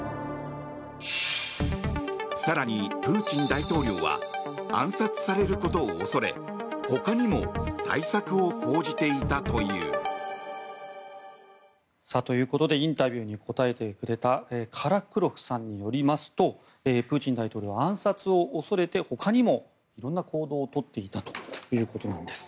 更に、プーチン大統領は暗殺されることを恐れほかにも対策を講じていたという。ということでインタビューに答えてくれたカラクロフさんによりますとプーチン大統領は暗殺を恐れてほかにも色んな行動を取っていたということなんです。